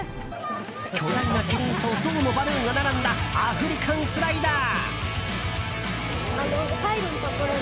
巨大なキリンとゾウのバルーンが並んだアフリカンスライダー。